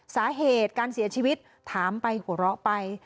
สาเหตุการเสียชีวิตถามไปหัวเราะไป